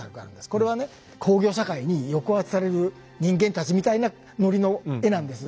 これはね「工業社会に抑圧される人間たち」みたいなノリの絵なんです。